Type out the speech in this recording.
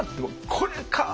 「これか！」。